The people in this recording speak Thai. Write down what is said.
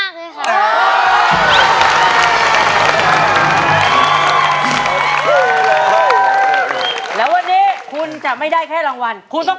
ขอบคุณมากค่ะแม่ครับ